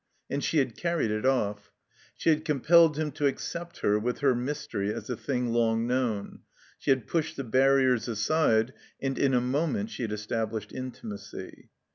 And she had carried it off. She had compelled him to accept her with her mystery as a thing long known. She had pushed the barriers aside, and in a moment she had estab lished intimacy.